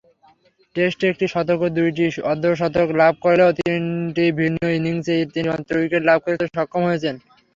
টেস্টে একটি শতক ও দুইটি অর্ধ-শতক লাভ করলেও তিনটি ভিন্ন ইনিংসে তিনটিমাত্র উইকেট লাভ করতে সক্ষম হয়েছেন।